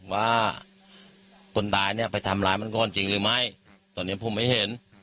ว่าคนตายเนี่ยไปทำร้ายมันก่อนจริงหรือไม่ตอนนี้ผมไม่เห็น